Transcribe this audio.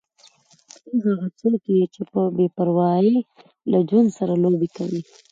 ته هغه څوک یې چې په بې پروايي له ژوند سره لوبې کوې.